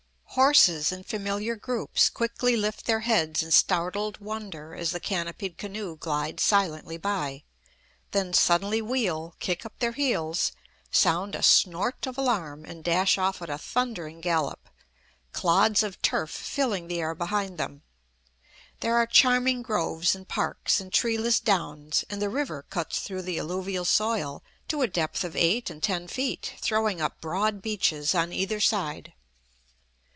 Horses, in familiar groups, quickly lift their heads in startled wonder as the canopied canoe glides silently by, then suddenly wheel, kick up their heels, sound a snort of alarm, and dash off at a thundering gallop, clods of turf filling the air behind them. There are charming groves and parks and treeless downs, and the river cuts through the alluvial soil to a depth of eight and ten feet, throwing up broad beaches on either side.